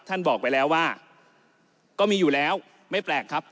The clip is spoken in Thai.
บอกไปแล้วว่าก็มีอยู่แล้วไม่แปลกครับ